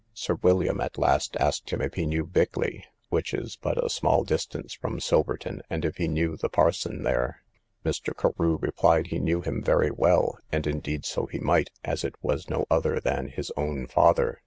Sir William at last asked him if he knew Bickley, (which is but a small distance from Silverton,) and if he knew the parson there. Mr. Carew replied he knew him very well, and indeed so he might, as it was no other than his own father.